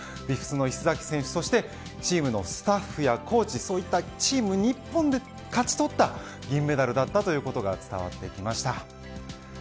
フィフスの石崎選手チームのスタッフやコーチそういったチーム一本で勝ち取った銀メダルだったということが伝わってきました。